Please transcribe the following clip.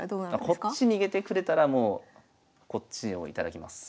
こっち逃げてくれたらもうこっちを頂きます。